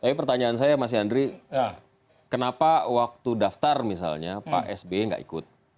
tapi pertanyaan saya mas yandri kenapa waktu daftar misalnya pak sby nggak ikut